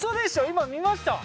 今見ました？